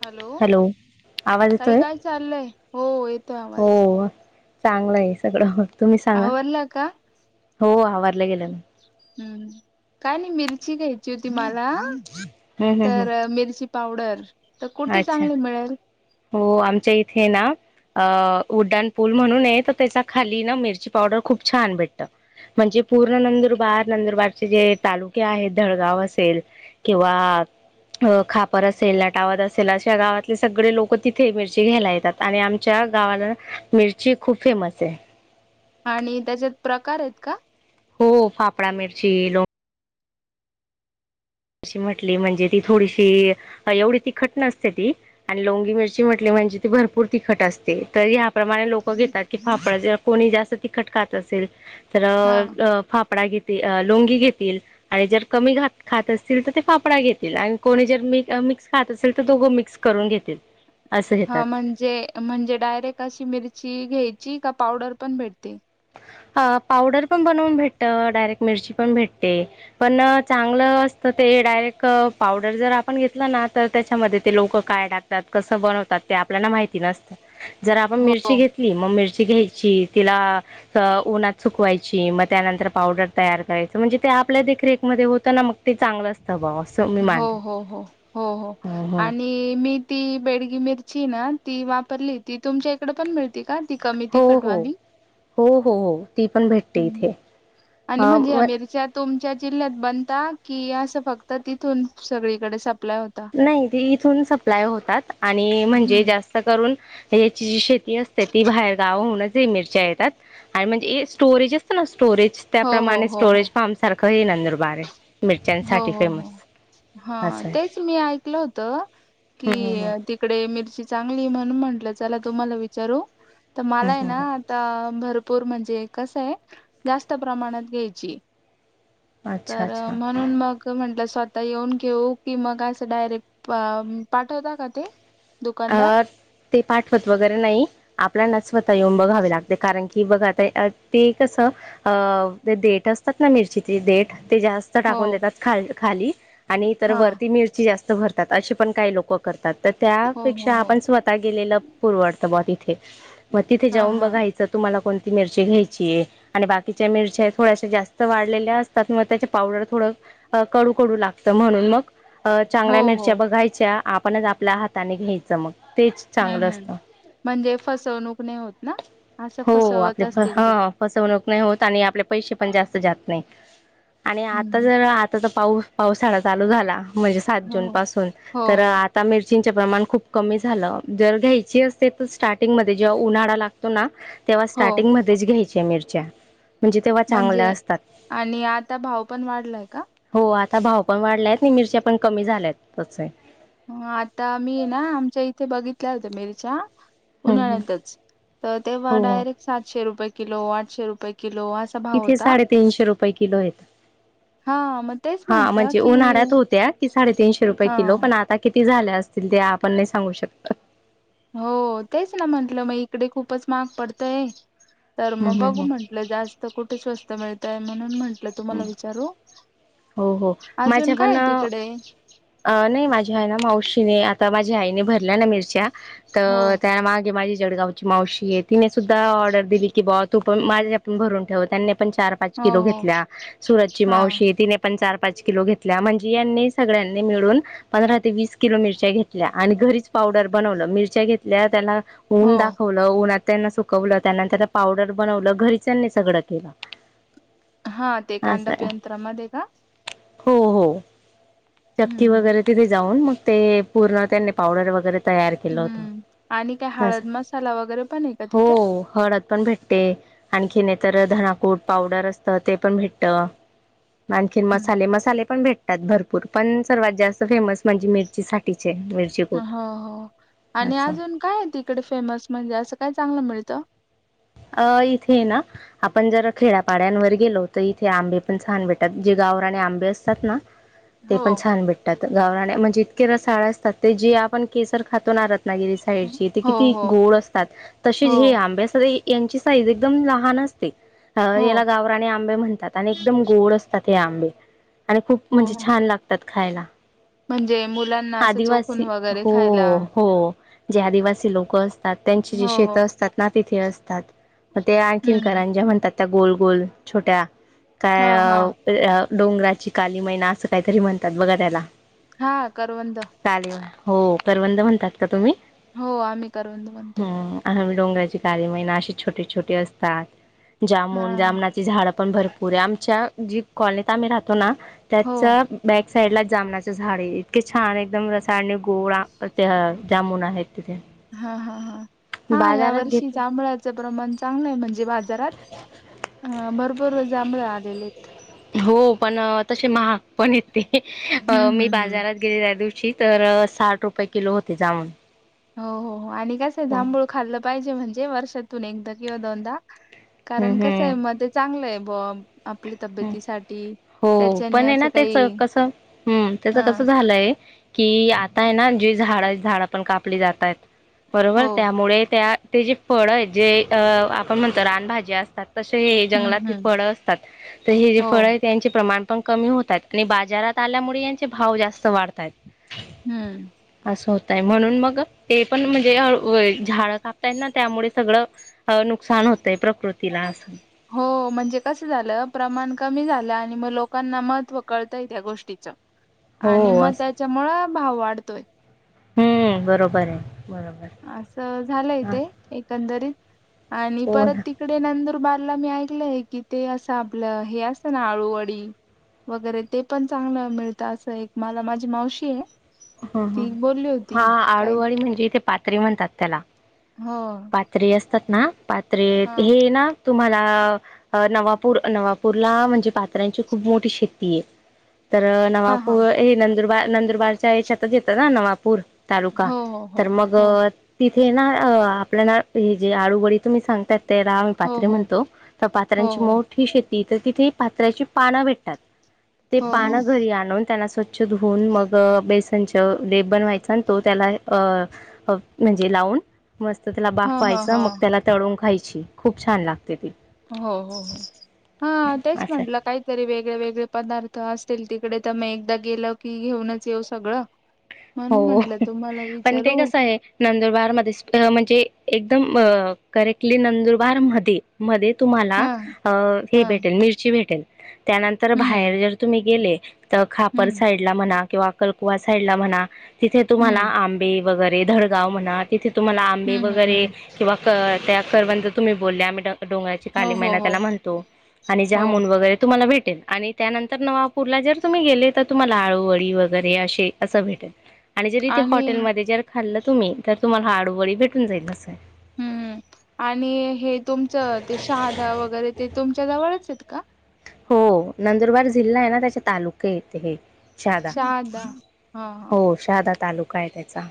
Hello आवाज ताई येतोय काय चाललंय? हो येतोय आवाज हो चांगलं आहे सगळं तुम्ही सांगा आवरला का हो आवारल्या गेल्या काय नाही मिरची घ्यायची होती मला हम्म हम्म तर हम्म मिरची पावडर तर कुठे अच्छा चांगली मिळेल? हो आमच्या इथे ना अ उड्डाण पूल म्हणून हे तर त्याचा खाली ना मिरची पावडर खूप छान भेटत. म्हणजे पूर्ण नंदुरबार नंदुरबारचे जे तालुके आहेत धळगाव असेल किंवा अ खापर असेल नाटावत असेल असे या गावातले सगळे लोक तिथे मिरची घ्यायला येतात आणि आमच्या गावाला मिरची खूप फेमस हे. आणि त्याचेत प्रकार आहेत का? हो फाफडा मिरची लो म्हटली म्हणजे ती थोडीशी एवढी तीखटण नसते ती आणि लोंगी मिरची म्हटली म्हणजे ती भरपूर तिखट असते. तरी अपू प्रमाणे लोक घेतात की फाफड जर कोणी जास्त तिखट खात असेल तर हा फा फडा घेती लौंगी घेतील आणि जर कमी घात खात अस तील तर ते पापडा घेतील आणि कोणी जर मी मिक्स खात असतील तर दोघं मिक्स करून घेतील. असं हा घेतात म्हणजे म्हणजे डायरेक्ट अशी मिरची घ्यायची का पावडर पण भेटते? ह पावडर पण बनवून भेट डायरेक्ट मिरची पण भेटते पण चांगलं ते डायरेक्ट पावडर जर आपण घेतला ना तर त्याच्यामध्ये ते लोक काय टाकतात कसं बनवतात ते आपल्याला माहिती नसत जर आपण हो मिरची घेतली मग मिरची घ्यायची तिला उन्हात सुकवायची मग त्यानंतर पावडर तयार करायचं म्हणजे ते आपल्या देखरेखमध्ये होत ना मग ते चांगलं अस हो हो हो हो हो आणि मी ती बेडगी मिर ची ना ती वापरली होती तुमच्या इकड पण मिळते का ती कमी हो हो तिखटवाली हो हो हो ती पण भेटते इथे. आणि अ म्हणजे म अमेरच्या तुमच्या जिल्ह्यात बनता कि असं फक्त तिथून सगळीकडे साप नाही ते इथून सप्लाय होतात आणि हम्म. म्हणजे जास्त करून याची जी शेती असते ती बाहेर गावहूनच हे मिरच्या येतात आणि म्हणजे स्टोरेजेस अस स्टोरेज हो हो त्याप्रमाणे हो हो स्टोरेज फार्म सारखं हे नंदुरबार आहे. हो मिरच्यांसाठी हो हो फेमस हा असं आहे. तेच मी ऐ कलं होत की हम्म हम्म हम्म. तिकडे मिर्ची चांगली म्हण म्हटलं चला तुम्हाला विचारू तर मला हम्म हाय हम्म ना हम्म. आता भरपूर म्हणजे कस आहे जास्त प्रमाणात घ्यायची अच्छा तर अच्छा. म्हणून मग म्हंटलं स्वतः येऊन घेऊ कि मग असं डायरेक्ट प पाठवता का ते? दुकानदार? अ ते पाठवत वगैरे नाई आपल्या स्वतः येऊन बघावे लागते कारण की कि बघा आता ते कसं अ ते देट असतात ना मिरचीची देठ ते जास्त हो टाकून देतात खा खाली आणि तर हा वरती मिरची जास्त भरतात असे पण काही लोक करतात तर त्या हो हो पेक्षा हो आपण स्वतः गे पुरवडत ब तिथे मग तिथे हा जाऊन हा बघायच तुम्हाला कोण ती मिरची घ्यायची हे आणि बाकीच्या मिरच्या थोड्याश्या जास्त वाढलेल्या असतात मग त्याचे पावडर थोडं अ कडू कडू लागत म्हणून मग अ हो चांगल्या हो मिरच्या बघायच्या आपणच आपल्या हाताने घ्यायचं मग. तेच चांगल हम्म हम्म असतं. म्हणजे फसवणूक नाही होत ना असं फसवत असतील ते. नाय होत आणि आपले पैसे पण जास्त जात नाही आणि आता ज हम्म आता पाऊस पाऊसाळा चालू झाला म्हणजे सात जून हो पासून हो तर हो आता मिरचींचे प्रमाण खूप कमी झालं जर घ्यायची असते तर स्टार्टिंगमध्ये जेव्हा उन्हाळा लागतो ना तेव्हा हो स्टार्टिंग मध्येच घ्यायच्या मिरच्या म्हणजे तेव्हा चांगल्या म्हणजे असतात आणि आता भाव पण वाढलाय का? हो आ ता भाव पण वाढलायत आणि मिरच्या पण कमी झाल्यात तस हा आता मी ना आमच्या इथे बघितल्या होत्या मिरच्या हम्म हम्म उन्हाळ्यातच तर तेव्हा हो हो डायरेक्ट सातशे रुपये किलो आठशे रुपये. किलो असा भाव इथे होता साडेतीनशे रुपये किलो आहेत. हा मग तेच हा म्हंटलं म्हणजे की उन्हाळ्यात होत्या की साडेतीनशे रुपये हा किलो पण आता किती झाल्या असतील ते आपण नाही सांगू शकत हो तेच ना म्हंटलं मग इकडे खूपच माहाग पडतय. तर मग हम्म हम्म बघू हम्म म्हंटलं जास्त कुठे स्वस्त मिळतय म्हणून म्हंटलं हम्म तुम्हाला विचारू हो हो अजून माझ्या काय पण आहे तिकडे अ नाही माझ्या आहे ना मावशीने आ ता माझ्या आईने भरल्या ना मिरच्या हो तर त्या मागे माझी जडगावची मावशी तिने सु धा ऑर्डर दिली की बा तू पण माझ्या पण भरून ठेव त्यांनी पण चार पाच हो किलो हो घेतल्या. सुरत ची हा मावशीये तिने पण चार पाच किलो घेतल्या म्हणजे यांनी सगळ्यांनी मिळून पंधरा ते वीस किलो मिरच्या घेतल्या आणि घरीच पा पावडर बनवलं, मिरच्या घेतल्या, त्यांना हो ऊन दाखवलं, उन्हात, त्यांना सुकवलं त्यांनंतरन पावडर बनवलं घरीच त्यांनी सगळं केलं. हा ते कांडप असं यंत्रामध्ये का. हो हो चक्की हम्म हम्म वगैरे तिथे जाऊन मग ते पूर्ण त्यांनी पावडर वगैरे. तयार केलं हम्म आणि काय होत.. हळद मसाला वगैरे पण आहे का तिथे हो हळद पण भेटते आणखी नाही तर धनाकूट पावडर असत ते पण भेटत. आणखीन हम्म. मसाले मसाले पण भेटतात भरपूर पण सर्वात जास्त फेमस म्हणजे मिरचीसाठीच. हो हो आणि असं अजून काय आहे तिकडे फेमस म्हणजे असं काय चांगलं मिळत. त अ इथे ना आपण जर खेड्यापाड्यांवर गेलो तर इथे आंबे पण छान भेटातात जे, गावरानी आंबे असतात ना. ते हो पण छान भेटतात गावरानी म्हणजे इतके रसाळ असतात ते जे आपण केसर खातो ना. रत्नागिरी हो साईडची ते हो किती हो गोड असतात तसेच हो हे आंबे असतात. यांची साईज एकदम लहान असते हो याला गावरानी आंबे म्हणतात आणि एकदम गोड असतात. ते आंबे आणि खूप म्हणजे हो छान लागतात खायला म्हणजे मुलांना असं चोखून आदिवासी वगैरे हो खायला हो. जे आदिवासी लोक असतात त्यांची जी हो शेत हो असतात ना तिथे असतात. मग ते आणखीन हम्म करंज्या म्हणतात, त्या गोल गोल छोट्या हा काय हा ते, डोंगराची काली मैना असं काहीतरी म्हणतात बघा त्याला, हा करवंद. कालीमा हो करवंद म्हणतात का तुम्ही. हो आम्ही करवंद म्हणतो. हम्म आम्ही डोंगराची काळी मैना अशी छोटे छोटे असतात. हा जामून जामणाची झाडं पण भरपूर आहे, आमच्या जी कॉलनीत आम्ही राहतो ना, हो त्याचा बॅक साईड ला जामनाचे झाड आहे इतके छान एकदम रसाळ आणि गोड ते जामुून आहेत. तिथे हा हा हा हा या बाजारात वर्षी घेतो. जांभळा, च प्रमाण चांगलं आहे, म्हणजे बाजारात भरपूर जांभळे आलेले आहेत. हो पण तसे महाग पण येते हम्म मी हम्म हम्म. बाजारात गेले त्या दिवशी तर साठ रुपये किलो होते जामून हो हो आणि कस हम्म जांभूळ खाल्लं पाहिजे म्हणजे वर्षातून एकदा किंवा दोनदा कारण कसं हम्म आहे मग ते चांगलं आहे ब आपल्या तब्येतीसाठी हो त्याच्याने पण हाय असं ना त्याच काही कस, हुं.. त्याच हा कसं झालंय कि आता आहे ना जी झाड झाडं पण कापली जात आहेत बरोबर हो त्यामुळे त्या ते जे फळ आहेत जे आपण म्हणतो रानभाज्या असतात तशे हम्म जंगलातली हम्म फळं असतात तर हे जे हो फळ त्यांची प्रमाण पण कमी होतात आणि बाजारात आल्यामुळे यांचे भाव जास्त वाढतायेत हुं होतय म्हणून मग ते पण म्हणजे झाड कापताय ना त्यामुळे सगळं नुकसान होतंय प्रकृतीला असं. हो म्हणजे कस झालं प्रमाण कमी झालं आणि मग लोकांना महत्त्व कळतय त्या गोष्टीच हो आणि मग त्याच्यामुळ भाव वाढतोय हुं बरोबर आहे. बरोबर. असं झालंय हा, तेे एकंदरीत आणि हो परत ना. तिकडे नंदुर बारला मी ऐकलय की ते असं आपलं हे असतं ना अळूवडी वगैरे ते पण चांगलं मिळतं असं एक मला माझी मावशी आहे ह ह ती बोलली होती हा काय आळूवाळी म्हणजे इथे पात्री म्हणतात त्याला हो पात्री ना हा पात्रेत हे ना तुम्हाला नवापूर नवापूरला म्हणजे पात्र्यांची खूप मोठी शेती आहे तर हा हा नवापूर हे नंदुरबार नंदुरबारच्या याच्यातच येतात ना नवापूर तालुका हो हो तर मग हो ति हे ना आपल्याला हे जे अळूवडी तुम्ही सांगताात त्याला आम्ही हो हो पात्रीे हो म्हणतो तर पात्र्यांची हो मोठी शेती तर तिथे पात्राची पानं भेटतात ते हो हो हो पान घरी आणून त्यांना स्वछ धुऊन मग बेसन लेप बनवायचा तो त्याला म्हणजे लावून मस्त त्याला ह ह बाफवायचं ह मग त्याला तळून खायची खूप छान लागते ती हो हो हो हा तेच असं म्हटलं काहीतरी वेगळे वेगळे पदार्थ अस तिकडे तर म एकदा गेल की घेऊनच येऊ सगळं हो म्हणून म्हटलं तुम्हाला पण ते विचारू कसं आहे नंदुरबार मध्ये म्हणजे एकदम करेक्टली नंदुरबार मध्ये मध्ये तुम्हाला हा हे हा भेटेल मिरची भेटेल त्यानंतर हम्म बाहेर जर तुम्ही गेले तर खापर हं, साईडला म्हणा किंवा कलकुवा साईडला म्हणा तिथे हं, तुम्हाला आंबे वगैरे धडगाव म्हणा तिथे तुम्हाला आंबे हं, हं, वगैरे हं. किंवा क करवंद तुम्ही बोलल्याम्ही डोंगराची काली हो, हो, महिना हो, त्याला म्हणतो आणि हो. जामुन वगैरे तुम्हाला भेट भेटे आणि त्यानंतर नवापूरला जर तुम्ही गेले तर तुम्हाला आळूवडी वगैरे असे असं भेटेल आणि जर इथे हॉटेलमध्ये जर खाल्ल तुम्ही तर तुम्हाला अळूवडी भेटून जाईल कसं आहे हम्म आणि हे तुमचं ते शहादा वगैरे ते तुमच्या जवळच आहेत का हो नंदुरबार जिल्हा आहे ना त्याचे तालुके हे शहादा हां, हां. हो शहादा तालुका आहे त्याचा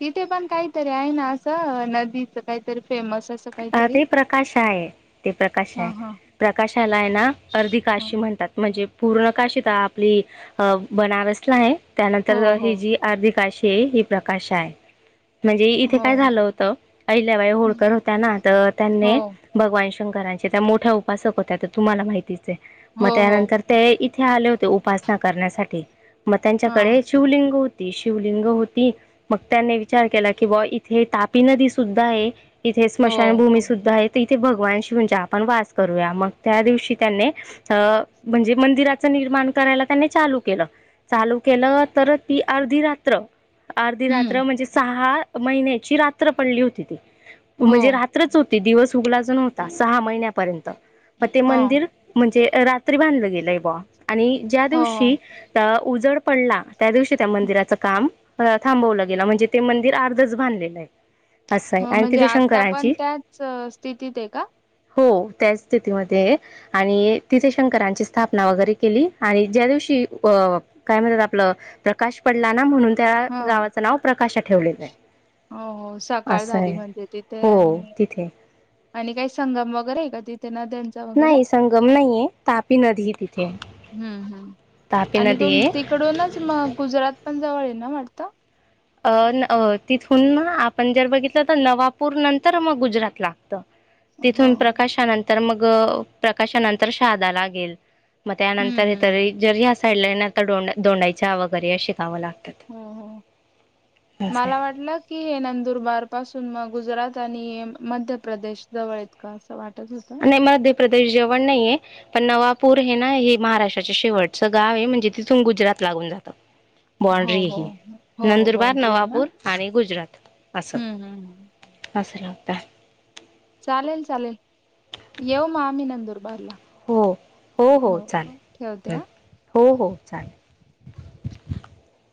तिथे पण काहीतरी आहे ना असं नदीच काहीतरी फेमस असं अ काहीतरी? ते प्रकाश आहे ते प्रकाश हां, आहे हां, प्रकाशाला आहे ना अर्धी हां. काशी म्हणतात म्हणजे पूर्ण काशी तर आपली अ बनारसला आहे हो, त्यानंतर हो, ह जी अर्धी काशी हे- हे प्रकाश आहे म्हणजे इथे हो, काय झालं होतं अहिल्याबाई होळकर हो त्या, तर हो, त्यांनी भगवान शंकरांचे त्या मोठ्या उपासक होत्या तुम्हाला माहितीचये. मग हो, हो. त्यानंतर ते इथे आले होते उपासना करण्यासाठी मग हां, त्यांच्याकडे शिवलिंग शिवलिंग होती मग त्याने विचार केला की बा इथे तापी नदी सुद्धा आहे. इथे हो. स्मशानभूमी सुद्धा आहेत. इथे भगवान शिव म्हणजे आपण वास करूया मग त्या दिवशी त्यांनी म्हणजे मंदिरा निर्माण करायला त्यांनी चालू केलं -चालू केलं तर ही अर्धी रात्र- अर्धी रात्र हं, म्हणजे सहा महिन्याची रात्र पडली होती ती, हो, म्हणजे रात्रच हो ते दिवस उगलाज नवता सहा महिन्यापर्यंत मग ते हां, मंदिर म्हणजे रात्री बांधलं गेलंय ब्यो आणि ज्या हो, दिवशी उजड पडला त्या दिवशी त्या मंदिराच काम थांबवलं गेलं म्हणजे ते मंदिर अर्धच बांधलेलं आहे असं आहे हो. म्हणजे तिथे आता पण शंकरांची त्याच स्थितीत आहे का? हो त्याच स्थितीमध्ये आणि तिथे शंकरांची स्थापना वगैरे केली आणि ज्या दिवशी कि व... काय म्हणतात आपल प्रकाश पडला ना म्हणून त्या हां. गावाचं नाव प्रकाशा ठेवलेलं आहे, असं आहे. ते हो आणि तिथे -आणि काय संगम वगैरे आहे का? तिथे नद्यांचा वगैरे? नाही संगम नाही आहे तापी नदी तिथे हम्म. हम्म. तापी आणि नदी तुम आहे -तिकडूनच म गुजरात पण जवळ य येना माडत [unintelligible] अ न अ तिथून आपण जर बघितलं तर नवापूर नंतर मग गुजरात लागतं. हो तिथून प्रकाशानंतर मग -अ प्रकाशानंतर शहादा लागेल. मग त्यानंतर हम्म हे हम्म. तरी जर या साईडला ना दोंडा- दोंडाईचा वगैरे अशी गाव लागतं हं हं.. आहे मला वाटलं की हे नंदुरबार पासून मग गुजरात आणि अ मध्यप्रदेश जवळ आहेत का असं वाटत होतं. नाही मध्यप्रदेश जवळ नाही आहे पण नवापूर हे ना हे महाराष्ट्राच्या शेवटचं गाव आहे म्हणजे तिथून गुजरात लागून जातं. हो हो बाउंड्री हो हो नंदुरबार, बाॉंड्री आहे ना नवापूर आणि गुजरात असं हम्म हम्म असं लागता चालेल -चालेल येवू म आम्ही नंदूर बारला, हो हो -हो ठेवते हा. हो, हो चालेल. [inaudible]